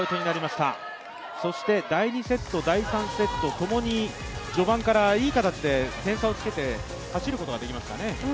第２セット、第３セットともに序盤からいい形で点差をつけて走ることができましたね。